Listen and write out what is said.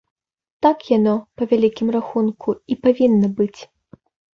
Так яно, па вялікім рахунку, і павінна быць.